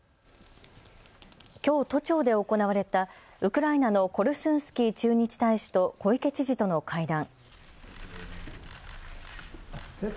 きょう都庁で行われたウクライナのコルスンスキー駐日大使と小池知事との会談。